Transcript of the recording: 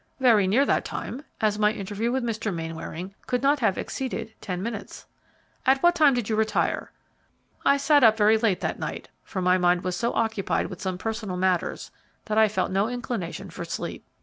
"Very near that time, as my interview with Mr. Mainwaring could not have exceeded ten minutes." "At what time did you retire?" "I sat up very late that night, for my mind was so occupied with some personal matters that I felt no inclination for sleep.